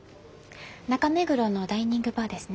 中目黒のダイニングバーですね。